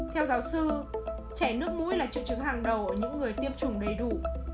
theo giáo sư trẻ nước mũi là triệu chứng hàng đầu ở những người tiêm chủng đầy đủ